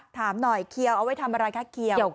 ถามหน่อยเคี้ยวเอาไว้ทำอะไรคะเขียว